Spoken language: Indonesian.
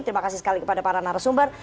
terima kasih sekali kepada para narasumber